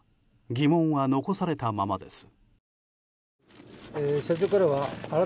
疑問は残されたままです。